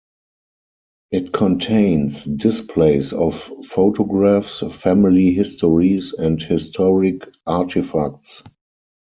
It contains displays of photographs, family histories and historic artifacts.